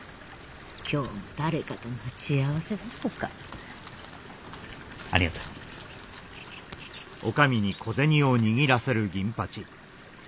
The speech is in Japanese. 今日も誰かと待ち合わせだとか。ありがとよ。